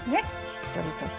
しっとりとして。